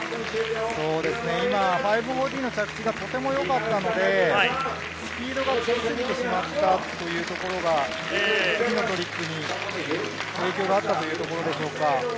今、５４０の着地がとても良かったのでスピードがつきすぎてしまったというところが次のトリックに影響があったというところでしょうか。